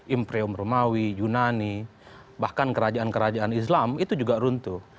imperium romawi yunani bahkan kerajaan kerajaan islam itu juga runtuh